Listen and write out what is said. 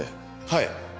はい。